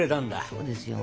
そうですよ。